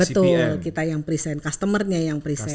betul kita yang present customer nya yang present